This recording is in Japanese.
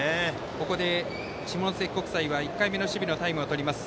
ここで下関国際は１回目の守備のタイムをとります。